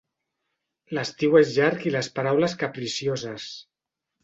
L'estiu és llarg i les paraules capricioses.